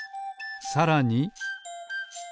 さらに。